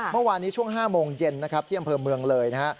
เมื่อวานนี้ช่วง๕โมงเย็นนะครับที่อำเภอเมืองเลยนะฮะ